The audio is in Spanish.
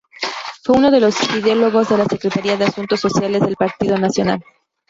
Fue uno de los ideólogos de la Secretaría de Asuntos Sociales del Partido Nacional.